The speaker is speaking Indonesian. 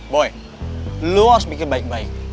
boy lo harus bikin baik baik